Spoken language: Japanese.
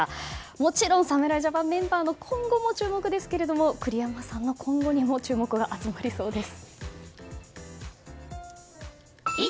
もちろん、侍ジャパンメンバーの今後も注目ですけれども栗山さんの今後にも注目が集まりそうです。